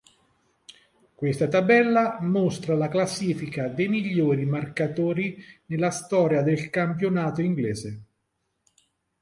Questa tabella mostra la classifica dei migliori marcatori nella storia del campionato inglese.